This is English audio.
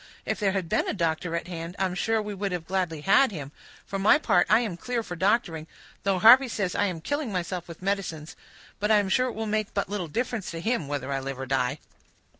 If there had been a doctor at hand, I am sure we would gladly have had him; for my part, I am clear for doctoring, though Harvey says I am killing myself with medicines; but I am sure it will make but little difference to him, whether I live or die."